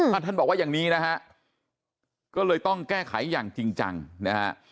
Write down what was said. ท่านบอกว่าอย่างนี้นะฮะก็เลยต้องแก้ไขอย่างจริงจังนะฮะ